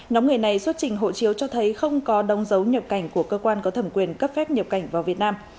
nhóm người này xuất trình hộ chiếu cho thấy không có đóng dấu nhập cảnh của cơ quan có thẩm quyền cấp phép nhập cảnh vào việt nam